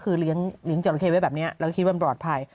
เรียงจรเข้ฝ่ายก็คิดว่ามีปลอดภัย